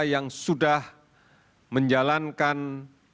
yang sudah menjalankan pembatasan sosial